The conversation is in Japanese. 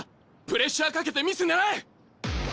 プレッシャーかけてミス狙え！